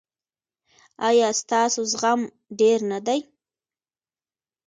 ایا ستاسو زغم ډیر نه دی؟